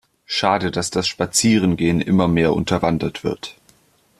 Schade, dass das Spazierengehen immer mehr unterwandert wird.